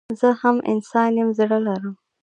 زه هم انسان يم زړه لرم